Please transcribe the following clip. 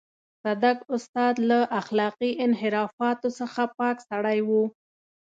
صدک استاد له اخلاقي انحرافاتو څخه پاک سړی و.